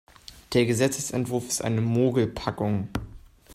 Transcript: Der Gesetzesentwurf ist eine Mogelpackung.